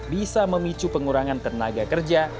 bisa memicu pengurangan tenaga kerja